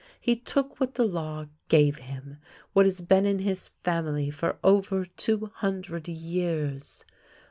He took what the law gave him, what has been in his family for over two hundred years.